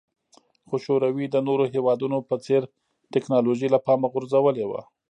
خو شوروي د نورو هېوادونو په څېر ټکنالوژي له پامه غورځولې وه